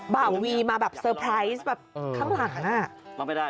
บ่าวีมาแบบเซอร์ไพรส์แบบข้างหลังอ่ะ